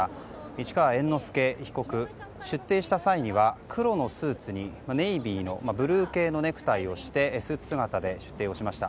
市川猿之助被告、出廷した際には黒のスーツに、ネイビーのブルー系のネクタイをしてスーツ姿で出廷しました。